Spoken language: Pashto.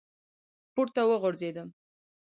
پـورتـه وغورځـېدم ،